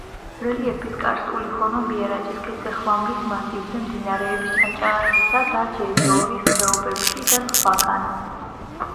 რელიეფის კარსტული ფორმებია რაჭის ქედზე, ხვამლის მასივზე, მდინარეების ჭანჭახისა და ჯეჯორის ხეობებში და სხვაგან.